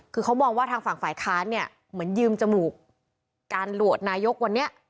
คือเขามองว่าทางฝั่งฝ่ายค้านเนี่ยเหมือนยืมจมูกการโหวตนายกวันนี้